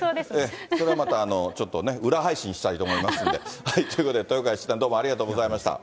それはまた、ちょっとね、裏配信したいと思うんで。ということで、豊川七段、どうもありがとうございました。